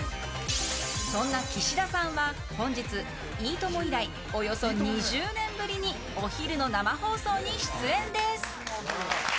そんな岸田さんは本日「いいとも！」以来およそ２０年ぶりにお昼の生放送に出演です！